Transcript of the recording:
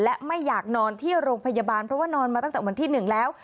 และไม่อยากนอนที่โรงพยาบาลเพราะว่านอนมาตั้งแต่วันที่๑แล้ว